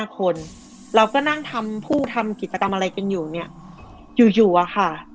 คนเราก็นั่งทำผู้ทำกิจกรรมอะไรกันอยู่เนี่ยอยู่อะค่ะ